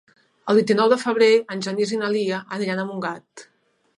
El vint-i-nou de febrer en Genís i na Lia aniran a Montgat.